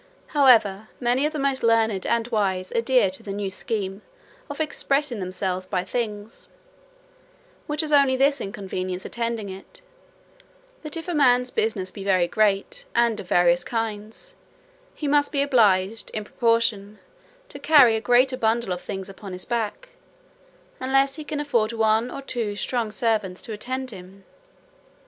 However, many of the most learned and wise adhere to the new scheme of expressing themselves by things; which has only this inconvenience attending it, that if a man's business be very great, and of various kinds, he must be obliged, in proportion, to carry a greater bundle of things upon his back, unless he can afford one or two strong servants to attend him.